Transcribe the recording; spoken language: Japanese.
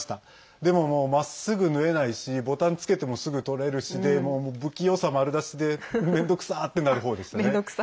でも、まっすぐ縫えないしボタンも付けてもすぐとれるしでもう不器用さ丸出しでめんどくさ！ってなる方でしたね。